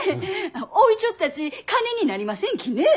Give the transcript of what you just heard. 置いちょったち金になりませんきね！